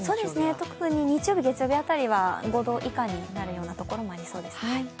特に日曜日、月曜日辺りは５度以下になる所もありそうです。